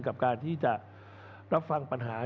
กับการที่จะรับฟังปัญหา